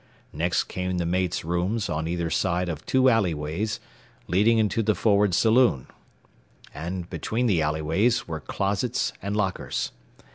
Next came the mates' rooms on either side of two alleyways leading into the forward saloon, and between the alleyways were closets and lockers.